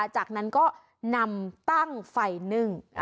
จากนั้นก็นำตั้งไฟนึ่ง